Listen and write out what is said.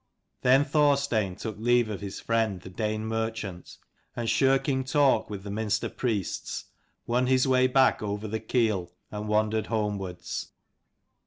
Then Thorstein took leave of his friend the Dane merchant, and shirking talk with the Minster priests, won his way back over the Keel, and wandered homewards.